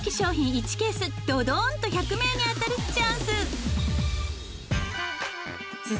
１ケースドドン！と１００名に当たるチャンス。